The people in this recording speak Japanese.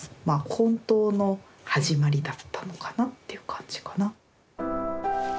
本当の始まりだったのかなっていう感じかな。